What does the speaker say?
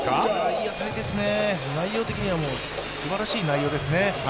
いい当たりですね、すばらしい内容ですね。